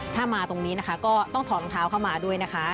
ถ้ามาตรงนี้นะคะก็ต้องถอดรองเท้าเข้ามาด้วยนะคะ